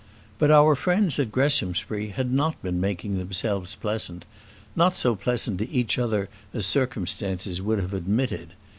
But our friends at Greshamsbury had not been making themselves pleasant not so pleasant to each other as circumstances would have admitted.